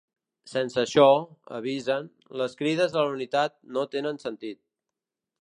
Sense això, avisen, les crides a la unitat ‘no tenen sentit’.